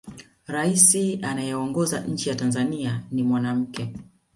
rais anayeongoza nchi ya tanzania ni mwanamke